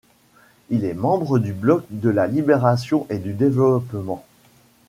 Il est membre du bloc de la Libération et du Développement.